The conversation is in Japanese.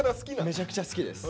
めちゃくちゃ好きです。